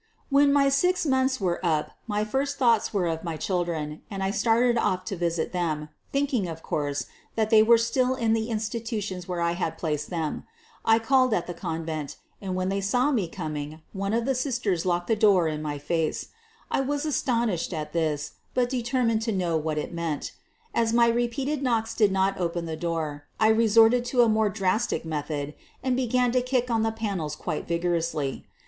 "When my six months were up my first thoughts were of my children, and I started off to visit them, thinking, of course, that they were still in the insti tutions where I had placed them. I called at the convent, and when they saw me coming one of the sisters locked the door in my face. I was astounded at this, but determined to know what it meant. As my repeated knocks did not open the door, I resorted to a more drastic method and began to kick on the panels quite vigorously.